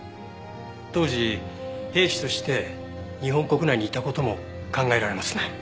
当時兵士として日本国内にいた事も考えられますね。